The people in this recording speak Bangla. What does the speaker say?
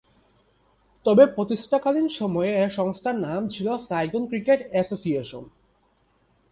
তবে প্রতিষ্ঠাকালীন সময়ে এ সংস্থার নাম ছিল সাইগন ক্রিকেট অ্যাসোসিয়েশন।